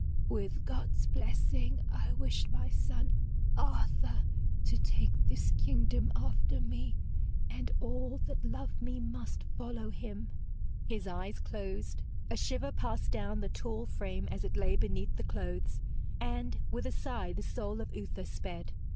With God's blessing I wish my son Arthur to take this kingdom after me, and all that love me must follow him.' His eyes closed, a shiver passed down the tall frame as it lay beneath the clothes, and with a sigh the soul of Uther sped.